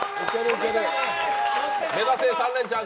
目指せ３レンチャン